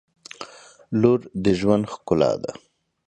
• لور د ژوند ښکلا ده.